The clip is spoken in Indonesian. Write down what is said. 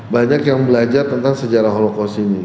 banyak yang belajar tentang sejarah holocaust ini